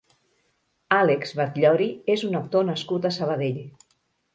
Àlex Batllori és un actor nascut a Sabadell.